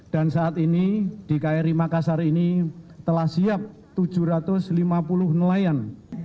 dan saat ini di kri makassar ini telah siap tujuh ratus lima puluh nelayan